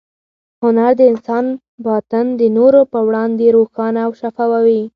هنر د انسان باطن د نورو په وړاندې روښانه او شفافوي.